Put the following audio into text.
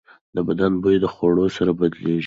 د بدن بوی د خوړو سره بدلېږي.